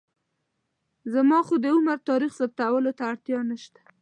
زما خو د عمر تاریخ ثابتولو ته اړتیا نشته.